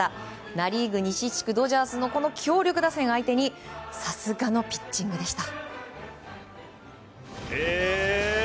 ナ・リーグ西地区ドジャースの強力打線相手にさすがのピッチングでした。